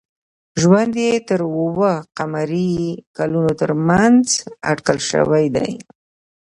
ژوند یې د اوه ق کلونو تر منځ اټکل شوی دی.